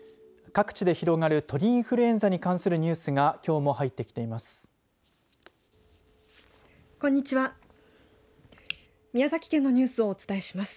各地で広がる鳥インフルエンザに関するニュースがきょうも入ってきています。